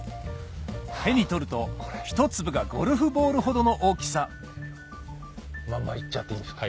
手に取ると１粒がゴルフボールほどの大きさまんま行っちゃっていいんですか。